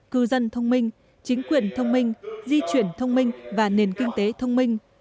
cư dân thông minh chính quyền thông minh di chuyển thông minh và nền kinh tế thông minh